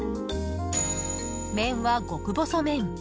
麺は極細麺。